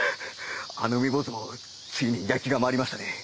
あの海坊主もついに焼きが回りましたね。